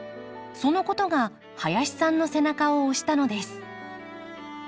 そのことが林さんの背中を押したのです。